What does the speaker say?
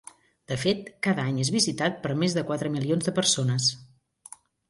De fet, cada any és visitat per més de quatre milions de persones.